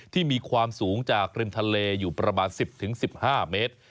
ที่มีความสูงจากริมทะเลอยู่ประมาณ๑๐๑๕เมตร